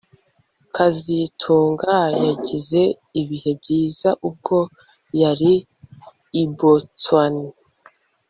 kazitunga yagize ibihe byiza ubwo yari i Boston